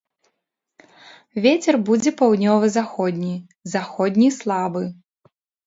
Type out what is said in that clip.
Вецер будзе паўднёва-заходні, заходні слабы.